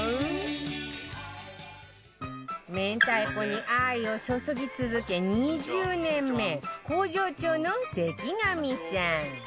明太子に愛を注ぎ続け２０年目工場長の関上さん